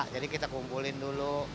jadi kita kumpulin dulu